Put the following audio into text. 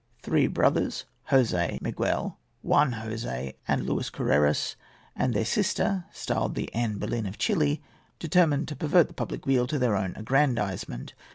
Three brothers, Jose Miguel, Juan Jose, and Luis Carreras, and their sister, styled the Anne Boleyn of Chili, determined to pervert the public weal to their own aggrandisement.